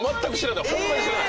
ホンマに知らない！